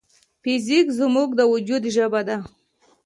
فزیک زموږ د وجود ژبه ده.